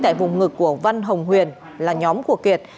tại vùng ngực của văn hồng huyền là nhóm của kiệt